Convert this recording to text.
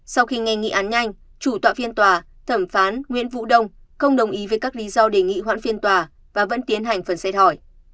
sau khi nghe nghị án nhanh chủ tọa phiên tòa thẩm phán nguyễn vũ đông không đồng ý với các lý do đề nghị hoãn phiên tòa và vẫn tiến hành phần xét hỏi